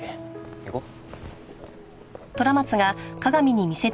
行こう。